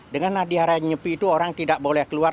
dengan nadihara nyepi itu orang tidak boleh keluar